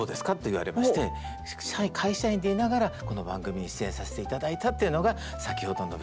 言われまして会社員でいながらこの番組に出演させて頂いたっていうのが先ほどのＶＴＲ。